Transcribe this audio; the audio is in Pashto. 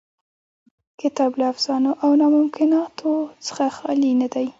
کتاب له افسانو او ناممکناتو څخه خالي نه دی.